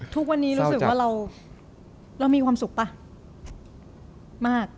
ทุกวันนี้รู้สึกว่าเรามีความสุขป่ะมาก